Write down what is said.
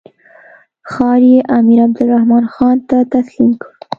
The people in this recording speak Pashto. ښار یې امیر عبدالرحمن خان ته تسلیم کړ.